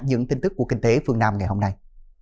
những tin tức của kinh tế phương nam ngày hôm nay